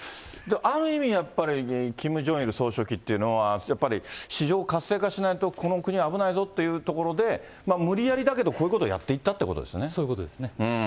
ある意味やっぱり、キム・ジョンウン総書記というのは、やっぱり市場活性化しないと、この国は危ないぞというところで、無理やりだけどこういうことをやそういうことですね。